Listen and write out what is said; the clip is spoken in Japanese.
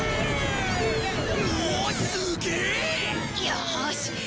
よし